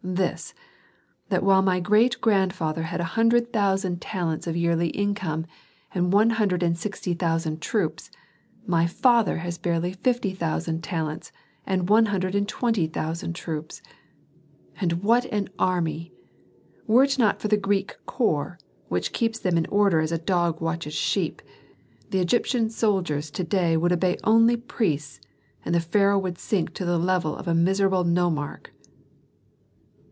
This, that while my great grandfather had a hundred thousand talents of yearly income and one hundred and sixty thousand troops, my father has barely fifty thousand talents and one hundred and twenty thousand troops. "And what an army! Were it not for the Greek corps, which keeps them in order as a dog watches sheep, the Egyptian soldiers to day would obey only priests and the pharaoh would sink to the level of a miserable nomarch."